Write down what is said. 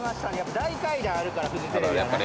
大階段あるからフジテレビはね。